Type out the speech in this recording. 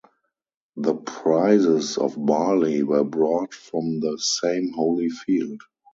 The prizes of barley were brought from the same holy field.